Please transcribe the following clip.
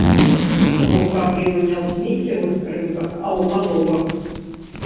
То бок праблема не ў смеццевых скрынках, а ў галовах.